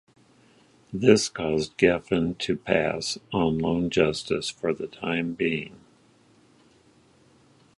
This caused Geffen to pass on Lone Justice for the time being.